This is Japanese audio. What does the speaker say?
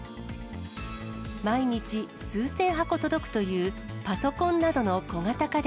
毎日、数千箱届くという、パソコンなどの小型家電。